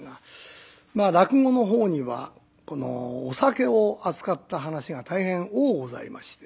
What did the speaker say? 落語の方にはこのお酒を扱った噺が大変多うございまして。